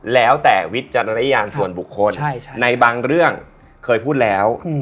แล้วแต่วิทย์จริยานส่วนบุคคลในบางเรือก็เคยพูดแล้ว